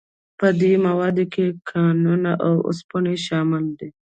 په دې موادو کې کانونه او اوسپنه شامل دي.